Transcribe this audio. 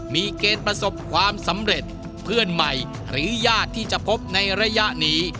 มีเกณฑ์ประสบความสำเร็จเพื่อนใหม่หรือญาติที่จะพบในระยะนี้